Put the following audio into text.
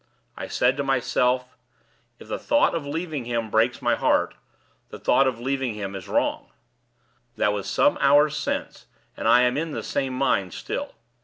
I said to myself, 'If the thought of leaving him breaks my heart, the thought of leaving him is wrong!' That was some hours since, and I am in the same mind still.